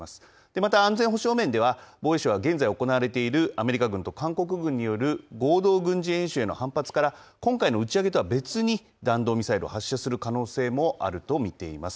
また安全保障面では、防衛省は現在、行われているアメリカ軍と韓国軍による合同軍事演習への反発から、今回の打ち上げとは別に、弾道ミサイルを発射する可能性もあると見ています。